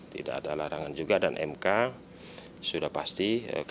tidak ada larangan juga dan mk sudah pasti